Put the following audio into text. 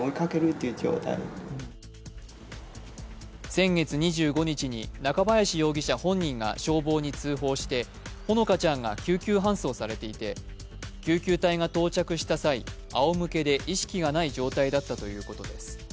先月２５日に中林容疑者本人が消防に通報してほのかちゃんが救急搬送されていて、救急隊が到着した際、あおむけで意識がない状態だったということです。